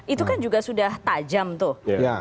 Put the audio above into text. itu kan juga sudah tajam tuh